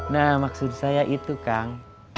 nah maksud saya itu kang